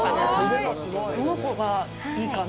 どの子がいいかな。